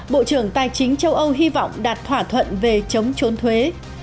bộ trưởng tài chính châu âu hy vọng đạt thỏa thuận về chống trốn thuế